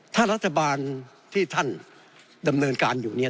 ถ้ารัฐบาลที่ท่านดำเนินการอยู่เนี่ย